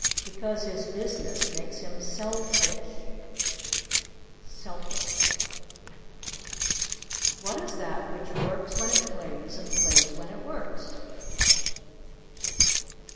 Because his business makes him sell fish (selfish). What is that which works when it plays and plays when it works?